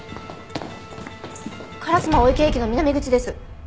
烏丸御池駅の南口です。